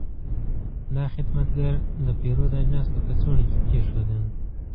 دا خدمتګر د پیرود اجناس په کڅوړو کې کېښودل.